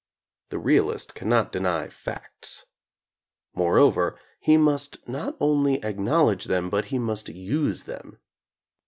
The realist cannot deny facts. Moreover, he must not only acknowledge them but he must use them.